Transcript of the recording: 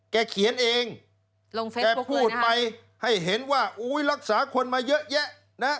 เขียนเองลงเฟสแกพูดไปให้เห็นว่าอุ้ยรักษาคนมาเยอะแยะนะ